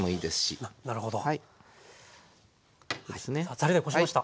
ザルでこしました。